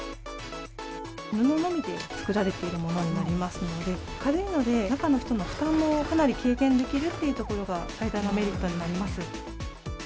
布のみで作られているものになりますので、軽いので、中の人の負担もかなり軽減できるってところが最大のメリットになります。